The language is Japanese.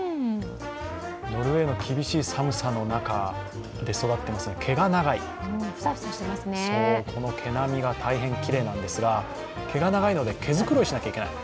ノルウェーの厳しい寒さの中で育ってますから毛が長い、この毛並みが大変きれいなんですが、毛が長いので毛繕いしなきゃいけない。